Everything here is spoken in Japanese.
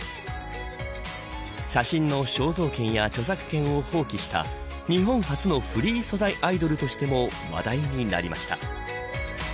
写真の肖像権や著作権を放棄した日本初のフリー素材アイドルとしても話題になりました。